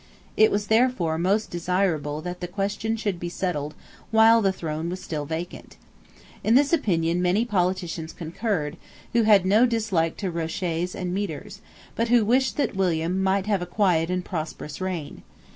It was therefore most desirable that the question should be settled while the throne was still vacant. In this opinion many politicians concurred, who had no dislike to rochets and mitres, but who wished that William might have a quiet and prosperous reign.